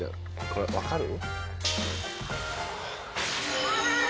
これ分かる？